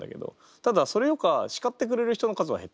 ただそれよか叱ってくれる人の数は減ってきますから。